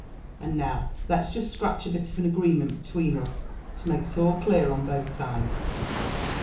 And now, let's just scratch a bit of an agreement between us, to make all clear on both sides."